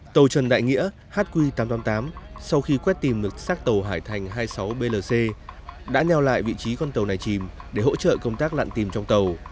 tàu trần đại nghĩa hq tám trăm tám mươi tám sau khi quét tìm được sát tàu hải thành hai mươi sáu blc đã neo lại vị trí con tàu này chìm để hỗ trợ công tác lặn tìm trong tàu